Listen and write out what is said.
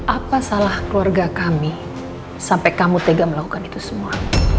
apa salah keluarga kami sampai kamu tega melakukan itu semua